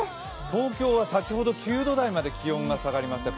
東京は先ほど９度台まで気温が下がりました。